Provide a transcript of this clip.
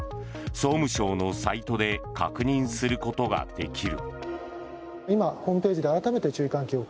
総務省のサイトで確認することができる。